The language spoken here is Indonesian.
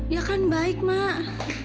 ya kan baik mak